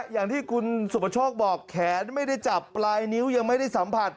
อย่างที่คุณสุประโชคบอกแขนไม่ได้จับปลายนิ้วยังไม่ได้สัมผัส